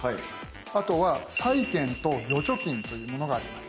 あとは債券と預貯金というものがあります。